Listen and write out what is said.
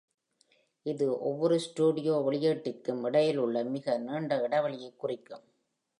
இது ஒவ்வொரு ஸ்டுடியோ வெளியீட்டிற்கும் இடையிலுள்ள மிக நீண்ட இடைவெளியைக் குறிக்கும்.